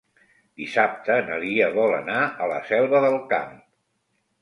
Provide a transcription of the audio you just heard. Dissabte na Lia vol anar a la Selva del Camp.